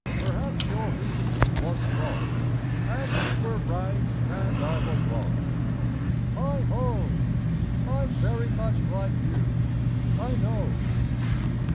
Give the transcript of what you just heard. Perhaps your reasoning was strong And you were right and I was wrong. Heigho! I'm very much like you, I know.